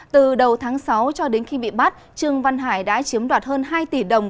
từ đầu tháng sáu cho đến khi bị bắt trương văn hải đã chiếm đoạt hơn hai tỷ đồng